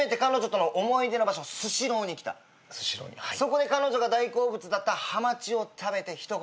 そこで彼女が大好物だったハマチを食べて一言